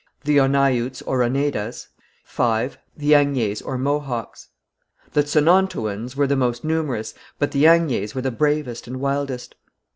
The Onneyouts or Oneidas. (5.) The Agniers or Mohawks. The Tsonnontouans were the most numerous, but the Agniers were the bravest and wildest.